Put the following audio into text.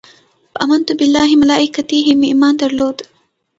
په امنت بالله ملایکته مې ایمان درلود.